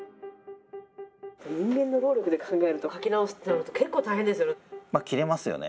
人間の労力で考えると描き直すというの結構大変ですよね。